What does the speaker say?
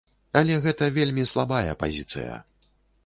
Але гэта вельмі слабая пазіцыя.